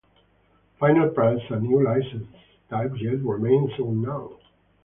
Final price and new license type yet remains unknown.